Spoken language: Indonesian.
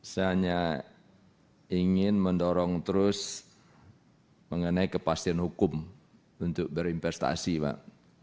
saya hanya ingin mendorong terus mengenai kepastian hukum untuk berinvestasi pak